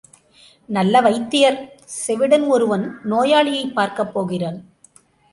நல்ல வைத்தியர் செவிடன் ஒருவன் நோயாளியைப் பார்க்கப் போகிறான்.